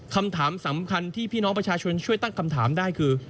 คำถามสำคัญที่พี่น้องประชาชนช่วยตั้งคำถามได้คือ